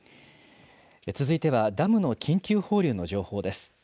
続いてはダムの緊急放流の情報です。